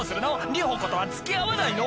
里穂子とは付き合わないの？